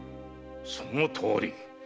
そのとおり。